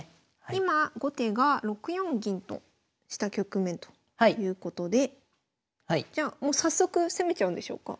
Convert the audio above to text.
今後手が６四銀とした局面ということでじゃあもう早速攻めちゃうんでしょうか？